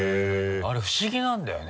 あれ不思議なんだよね。